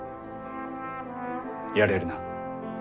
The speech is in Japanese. やれるな？